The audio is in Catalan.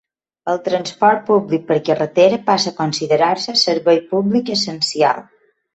El transport públic per carretera passa a considerar-se servei públic essencial.